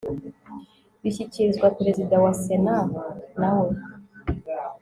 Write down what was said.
bishyikirizwa Perezida wa Sena na we